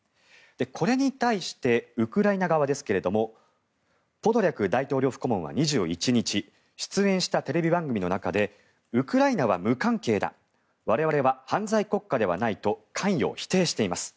これに対して、ウクライナ側のポドリャク大統領府顧問は２１日出演したテレビ番組の中でウクライナは無関係だ我々は犯罪国家ではないと関与を否定しています。